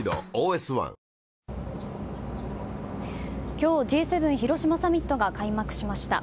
今日、Ｇ７広島サミットが開幕しました。